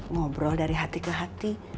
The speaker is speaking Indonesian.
ngobrol dari hati ke hati